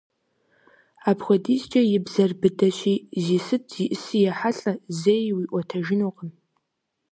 Апхуэдизкӏэ и бзэр быдэщи, зи сыт зиӏыси ехьэлӏэ, зэи уиӏуэтэжынукъым.